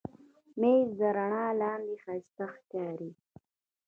مېز د رڼا لاندې ښایسته ښکاري.